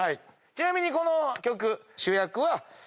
ちなみにこの曲。